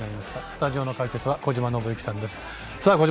スタジオの解説は小島伸幸さんです。